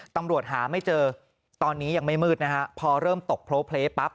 ตำรวจหาไม่เจอตอนนี้ยังไม่มืดนะฮะพอเริ่มตกโพลเพลปั๊บ